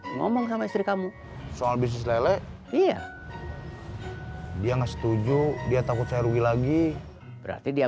ngomong sama istri kamu soal bisnis lele iya dia nggak setuju dia takut saya rugi lagi berarti dia